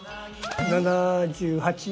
７８。